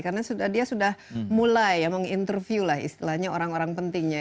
karena dia sudah mulai ya menginterview lah istilahnya orang orang pentingnya